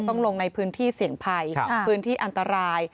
ลงในพื้นที่เสี่ยงภัยพื้นที่อันตราย